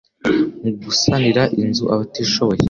Mu gusanira inzu abatishoboye